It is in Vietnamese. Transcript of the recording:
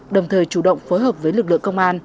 đồng thời chủ động phối hợp với lực lượng công an